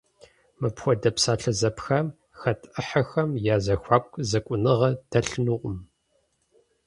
Мыпхуэдэ псалъэ зэпхам хэт ӏыхьэхэм я зэхуаку зэкӏуныгъэ дэлъынукъым.